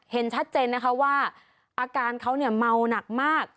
เห็นชัดเจนนะคะว่าอาการเขาเนี่ยเมาหนักมาก